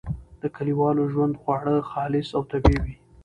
د کلیوالي ژوند خواړه خالص او طبیعي وي.